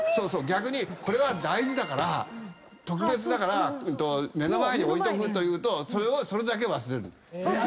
逆にこれは大事だから特別だから目の前に置いとくというとそれだけ忘れる。